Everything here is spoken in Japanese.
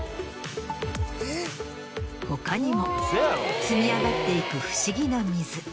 他にも積み上がっていく不思議な水。